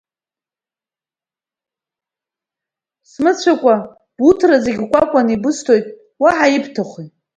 Смыцәакәа, буҭра зегьы кәакәаны ибысҭеит, уаҳа ибҭахуи?!